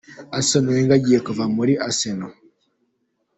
Arsene Wenger agiye kuva muri Arsenal.